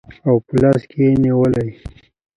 او په لاس کې نیولي